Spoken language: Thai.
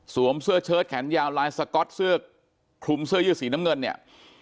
เสื้อเชิดแขนยาวลายสก๊อตเสื้อคลุมเสื้อยืดสีน้ำเงินเนี่ย